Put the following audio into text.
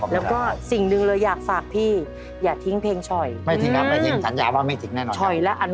แล้วก็สิ่งหนึ่งเลยอยากฝากพี่อย่าทิ้งเพลงช่อย